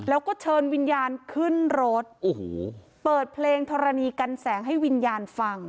แล้วก็เชิญวิญญาณขึ้นรถโอ้โหเปิดเพลงธรณีกันแสงให้วิญญาณฟัง